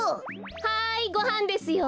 はいごはんですよ。